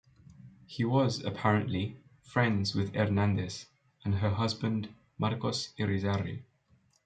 He was, apparently, friends with Hernandez and her husband Marcos Irizarry.